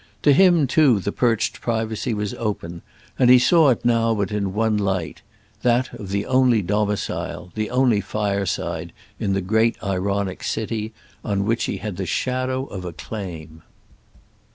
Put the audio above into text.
To him too the perched privacy was open, and he saw it now but in one light—that of the only domicile, the only fireside, in the great ironic city, on which he had the shadow of a claim.